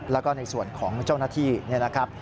แล้วก็ในส่วนของเจ้าหน้าที่นี่นะครับ